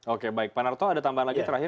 oke baik pak narto ada tambahan lagi terakhir